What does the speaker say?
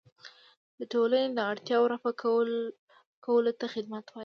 د ټولنې د اړتیاوو رفع کولو ته خدمت وایي.